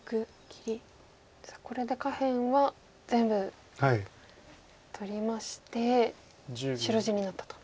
さあこれで下辺は全部取りまして白地になったと。